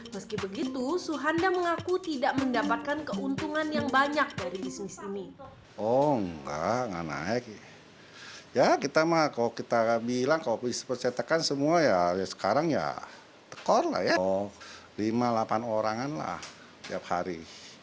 meski begitu suhanda mengaku tidak mendapatkan keuntungan yang banyak dari bisnis ini